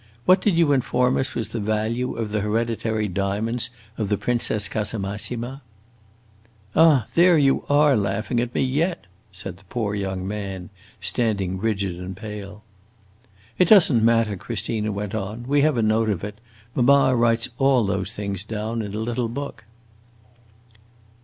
What did you inform us was the value of the hereditary diamonds of the Princess Casamassima?" "Ah, you are laughing at me yet!" said the poor young man, standing rigid and pale. "It does n't matter," Christina went on. "We have a note of it; mamma writes all those things down in a little book!"